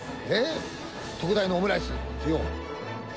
特大のオムライス。